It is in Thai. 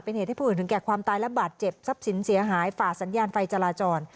เป็นเหตุให้ผู้อื่นถึงแก่ความตายและบาดเจ็บทรัพย์สินเสียหายฝ่าสัญญาณไฟจราจร